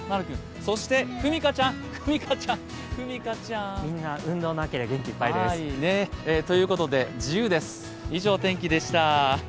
そして、ふみかちゃん、ふみかちゃんみんな運動の秋で元気いっぱいです。ということで、自由です！